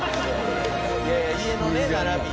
いやいや家のね並び。